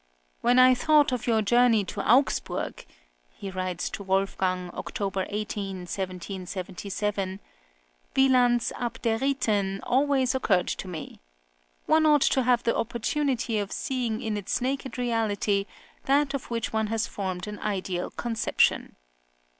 "When I thought of your journey to Augsburg," he writes to Wolfgang (October 18, 1777), "Wieland's 'Abderiten' always occurred to me. One ought to have the opportunity of seeing in its naked reality that of which one has formed an ideal conception."